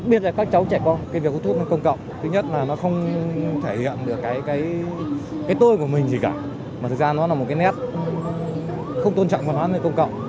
mà thực ra nó là một cái nét không tôn trọng bản thân nơi công cộng